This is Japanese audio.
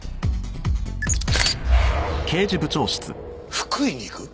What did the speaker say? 福井に行く？